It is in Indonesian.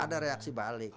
ada reaksi balik